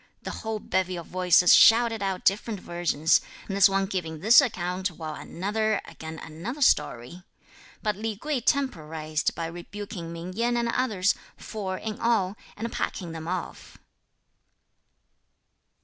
the whole bevy of voices shouted out different versions; this one giving this account, while another again another story. But Li Kuei temporised by rebuking Ming Yen and others, four in all, and packing them off.